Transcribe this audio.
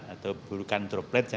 atau bukan droplet